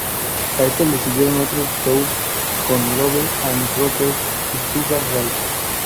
A esto le siguieron otros tours con Love and Rockets y Sugar Ray.